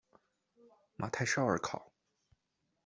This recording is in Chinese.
马泰绍尔考。